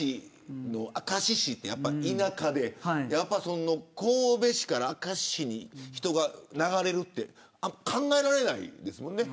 明石市はやっぱり田舎で神戸市から明石市に人が流れるってあんまり考えられないですもんね